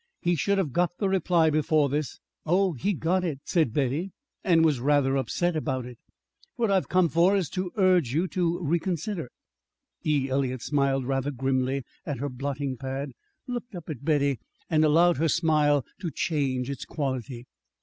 "He should have got the reply before this." "Oh, he got it," said Betty, "and was rather upset about it. What I've come for, is to urge you to reconsider." E. Eliot smiled rather grimly at her blotting pad, looked up at Betty, and allowed her smile to change its quality.